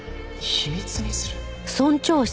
秘密にする？